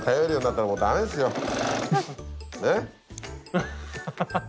アハハハハ。